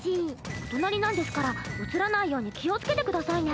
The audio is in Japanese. お隣なんですからうつらないように気をつけてくださいね。